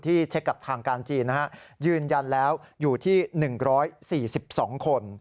เช็คกับทางการจีนนะฮะยืนยันแล้วอยู่ที่๑๔๒คน